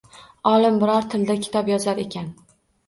Olim biron tilda kitob yozar ekan